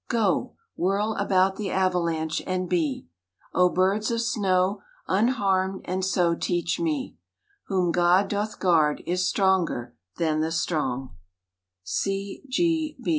Go, whirl about the avalanche, and be, O birds of snow, unharmed, and so teach me: Whom God doth guard is stronger than the strong. _C. G.